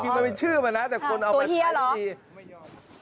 อ๋อจริงมันมีชื่อมันนะแต่คนเอามาใช้เนี้ยตัวเฮียเหรอ